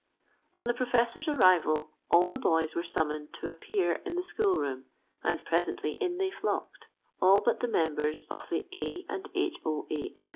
On the professor's arrival all the boys were summoned to appear in the school room, and presently in they flocked, all but the members of the A. & H. O. A.